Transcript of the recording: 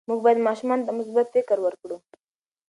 موږ باید ماشومانو ته مثبت فکر ورکړو.